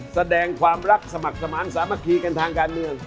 แสดงความรักสมัครสมาธิสามัคคีกันทางการเมือง